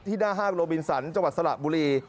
หน้าห้างโลบินสันจังหวัดสระบุรี